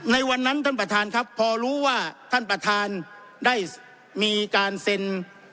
ในวันนั้นท่านประธานครับพอรู้ว่าท่านประธานได้มีการเซ็น